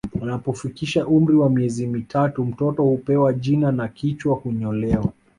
Anapofikisha umri wa miezi mitatu mtoto hupewa jina na kichwa hunyolewa